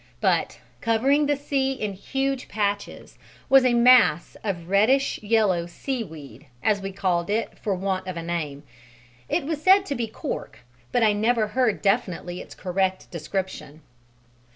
But covering the sea in huge patches was a mass of reddish yellow "seaweed," as we called it for want of a name. It was said to be cork, but I never heard definitely its correct description.